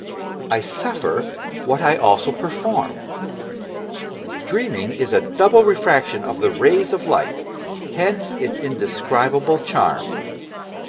I suffer what I also perform. Dreaming is a double refraction of the rays of light; hence its indescribable charm.